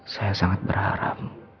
saya sangat berharap